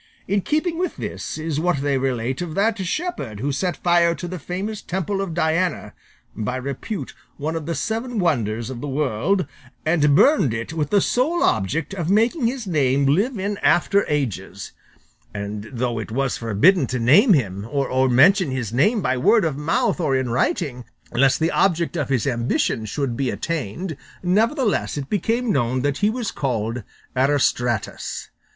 In keeping with this is what they relate of that shepherd who set fire to the famous temple of Diana, by repute one of the seven wonders of the world, and burned it with the sole object of making his name live in after ages; and, though it was forbidden to name him, or mention his name by word of mouth or in writing, lest the object of his ambition should be attained, nevertheless it became known that he was called Erostratus.